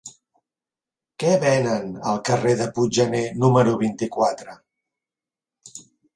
Què venen al carrer de Puiggener número vint-i-quatre?